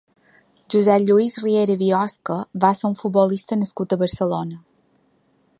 Josep Lluís Riera Biosca va ser un futbolista nascut a Barcelona.